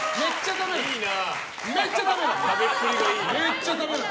食べっぷりがいいな。